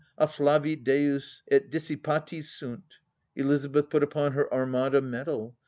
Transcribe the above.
..." Afiflavit deus et dissipati sunt 1 " Eliza beth put upon her Armada medal.